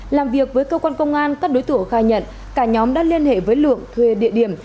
làm việc với cơ quan công an các đối tượng khai nhận cả nhóm đã liên hệ với lượng thuê địa điểm